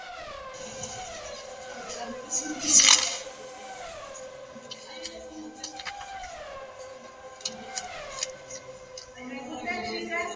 Una Fuerza Expedicionaria de Marines tiene una Ala de Aviación de Infantería de Marina.